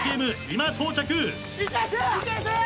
今到着。